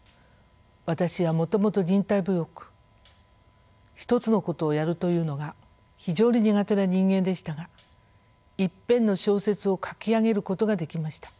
私はもともと忍耐強く一つのことをやるというのが非常に苦手な人間でしたが一編の小説を書き上げることができました。